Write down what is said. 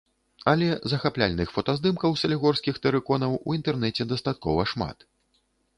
Але захапляльных фотаздымкаў салігорскіх тэрыконаў у інтэрнэце дастаткова шмат.